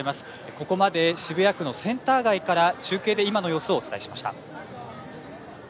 ここまで渋谷区のセンター街から中継で今の様子をお伝えしました。